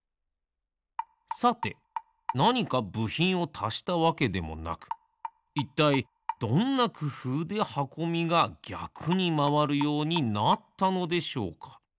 さてなにかぶひんをたしたわけでもなくいったいどんなくふうではこみがぎゃくにまわるようになったのでしょうか？